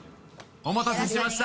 お待たせしました。